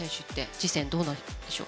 次戦、どうなんでしょう？